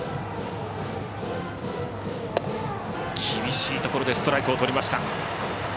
厳しいところでストライクをとりました。